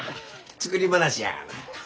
作り話やがな。